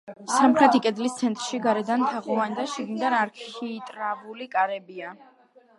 სამხრეთი კედლის ცენტრში გარედან თაღოვანი და შიგნიდან არქიტრავული კარებია.